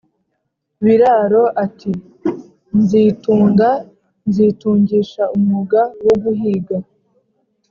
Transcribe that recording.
Biraro ati: "Nzitunga, nzitungisha umwuga wo guhiga